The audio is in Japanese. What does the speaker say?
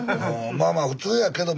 まあまあ普通やけども。